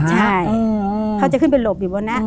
ใช่เขาจะขึ้นไปหลบอยู่บนนี้